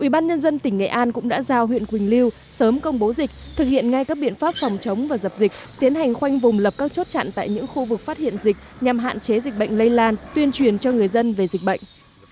ubnd tỉnh nghệ an cũng đã giao huyện quỳnh lưu sớm công bố dịch thực hiện ngay các biện pháp phòng chống và dập dịch tiến hành khoanh vùng lập các chốt chặn tại những khu vực phát hiện dịch nhằm hạn chế dịch bệnh lây lan tuyên truyền cho người dân về dịch bệnh